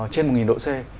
trên một nghìn độ c